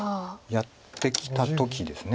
やってきた時ですね。